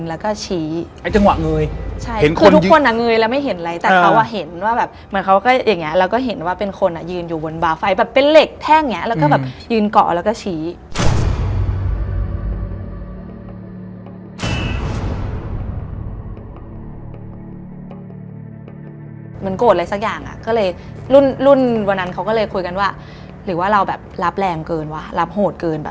มันไม่มีผลกระทบอะไรกับชีวิตเลย